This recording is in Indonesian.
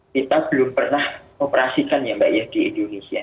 kita belum pernah operasikan ya mbak ya di indonesia